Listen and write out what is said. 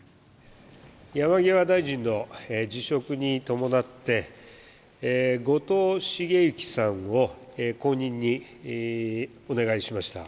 山際大臣の辞職に伴って後藤茂之さんを後任にお願いしました。